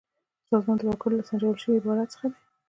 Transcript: سازمان د وګړو له سنجول شوي ترتیب څخه عبارت دی.